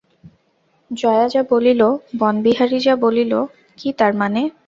জয়া যা বলিল, বনবিহারী যা বলিল, কী তার মানে?